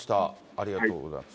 ありがとうございます。